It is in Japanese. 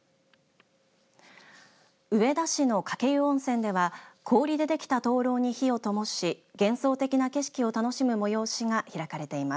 上田市の鹿教湯温泉では氷で出来た灯籠に火をともし幻想的な景色を楽しむ催しが開かれています。